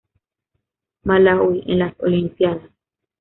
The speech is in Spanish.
Malaui en las Olimpíadas